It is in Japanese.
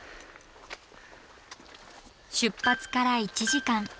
出発から１時間。